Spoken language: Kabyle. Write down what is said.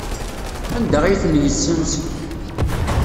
Anda ay ten-yessenz?